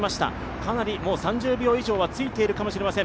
かなり、もう３０秒以上はついているかもしれません。